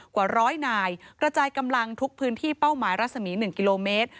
กว่าร้อยนายกระจายกำลังทุกพื้นที่เป้าหมายรัศมี๑กิโลเมตร